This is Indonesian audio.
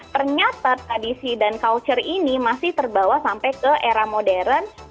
ternyata tradisi dan culture ini masih terbawa sampai ke era modern